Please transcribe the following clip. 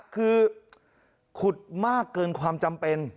คือขุดมากเกินความจำเป็น